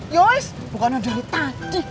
yoi bukan udah tadi